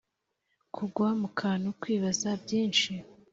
kugwa mu kantu kwibaza byinshi.